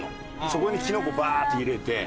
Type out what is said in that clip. そこにきのこバーッて入れて。